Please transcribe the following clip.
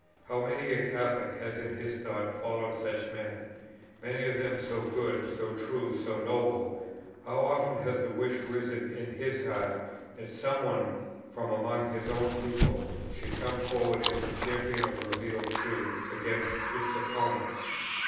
How many a Catholic has in his thoughts followed such men, many of them so good, so true, so noble! how often has the wish risen in his heart that some one from among his own people should come forward as the champion of revealed truth against its opponents!